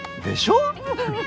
でしょ？